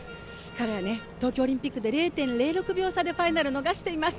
彼は東京オリンピックで０．０６秒差でファイナルを逃しています。